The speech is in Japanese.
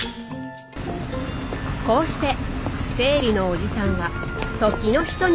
こうして生理のおじさんは時の人になった。